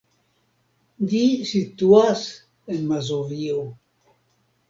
Ĝi situas en Mazovio.